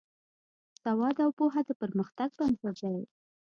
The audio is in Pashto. سواد او پوهه د پرمختګ بنسټ دی.